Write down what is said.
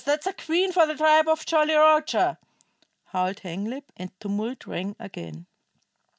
That's a queen for the tribe of Jolly Roger!" howled Hanglip, and tumult rang again.